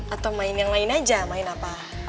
atau main yang lain aja main apa